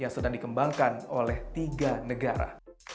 yang sedang dikembangkan oleh tiga negara